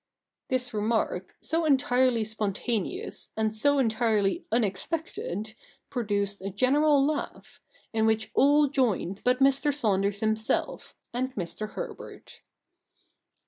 ' This remark, so entirely spontaneous, and so entirely unexpected, produced a general laugh, in which all joined but Mr. Saunders himself, and Mr. Herbert.